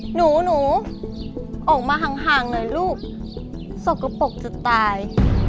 หนูหนูออกมาห่างหน่อยลูกสกปรกจะตาย